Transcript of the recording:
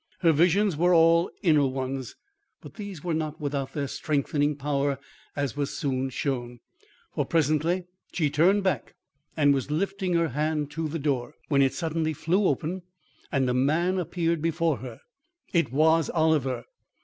Her visions were all inner ones. But these were not without their strengthening power, as was soon shown. For presently she turned back and was lifting her hand to the door, when it suddenly flew open and a man appeared before her. It was Oliver.